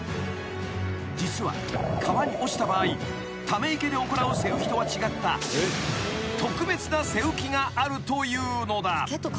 ［実は川に落ちた場合ため池で行う背浮きとは違った特別な背浮きがあるというのだ］